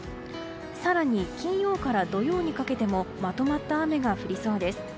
更に、金曜から土曜にかけてもまとまった雨が降りそうです。